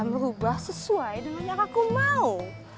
merubah sesuai dengan yang aku mau